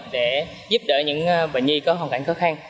để giúp đỡ những bệnh nhi có hoàn cảnh khó khăn